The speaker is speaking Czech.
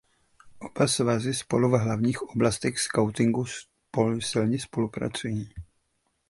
Oba svazy spolu v hlavních oblastech skautingu silně spolupracují.